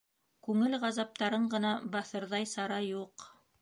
Күңел ғазаптарын ғына баҫырҙай сара юҡ.